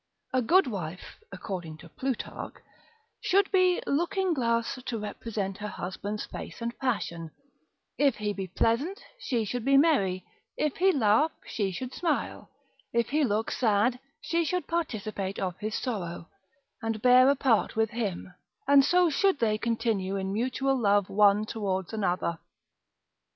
A good wife, according to Plutarch, should be as a looking glass to represent her husband's face and passion: if he be pleasant, she should be merry: if he laugh, she should smile: if he look sad, she should participate of his sorrow, and bear a part with him, and so should they continue in mutual love one towards another.